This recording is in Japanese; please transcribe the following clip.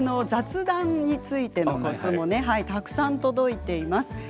それから雑談についてのコツもたくさん届いています。